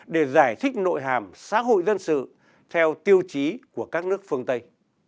để giải thích nội hàm xã hội dân sự theo tiêu chí của các nước phương tây